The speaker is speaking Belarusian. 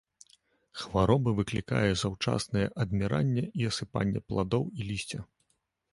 Хвароба выклікае заўчаснае адміранне і асыпанне пладоў і лісця.